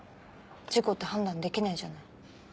事故って判断できないじゃない。